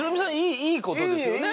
いいことですよね